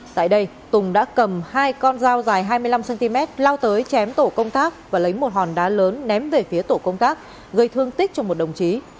tại đây tùng đã cầm hai con dao dài hai mươi năm cm lao tới chém tổ công tác và lấy một hòn đá lớn ném về phía tổ công tác gây thương tích cho một đồng chí